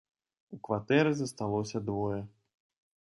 У кватэры засталося двое.